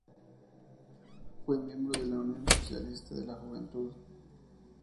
Fue miembro de la Unión Socialista de la Juventud.